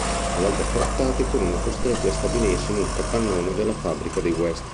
Una volta sfrattati, furono costretti a stabilirsi in un capannone della fabbrica di West.